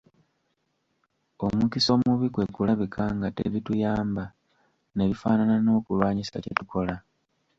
Omukisa omubi kwe kulabika nga tebituyamba, ne bifaanana n'okulwanyisa kye tukola.